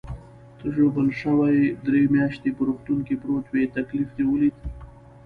ته ژوبل شوې، درې میاشتې په روغتون کې پروت وې، تکلیف دې ولید.